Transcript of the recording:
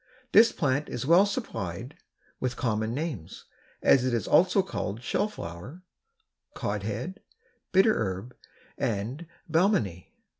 This plant is well supplied with common names, as it is also called Shell flower, Cod head, Bitter herb and Balmony.